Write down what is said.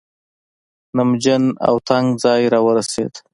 نمجن او تنګ ځای راورسېد.